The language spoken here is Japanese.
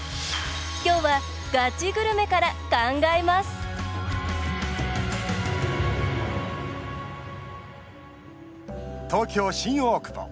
今日はガチグルメから考えます東京・新大久保。